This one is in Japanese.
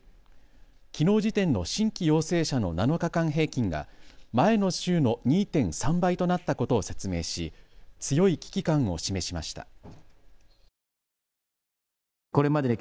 きのう時点の新規陽性者の７日間平均が前の週の２．３倍となったことを説明し強い危機感を示しました。